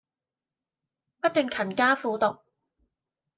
不斷勤加苦讀